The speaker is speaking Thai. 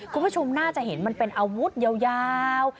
คุณผู้ชมน่าจะเห็นมันเป็นอาวุธยาว